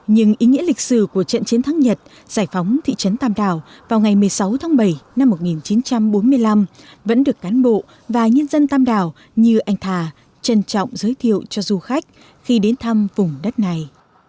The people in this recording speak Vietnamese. nhưng ý nghĩa lịch sử của trận chiến thắng nhật giải phóng thị trấn tam đảo vào ngày một mươi sáu tháng bảy năm một nghìn chín trăm bốn mươi năm vẫn được cán bộ và nhân dân tàm đào như anh thà trân trọng giới thiệu cho du khách khi đến thăm vùng đất này